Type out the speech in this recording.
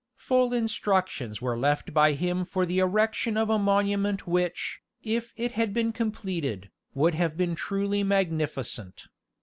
Full instructions were left by him for the erection of a monument which, if it had been completed, would have been truly magnificent.